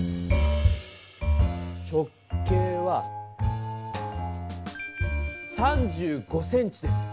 直径は３５ｃｍです。